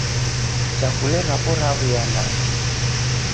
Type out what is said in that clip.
Chakule rapo raw'uya ndacha